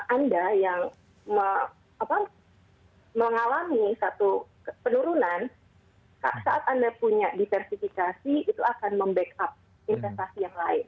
anda yang mengalami satu penurunan saat anda punya diversifikasi itu akan membackup investasi yang lain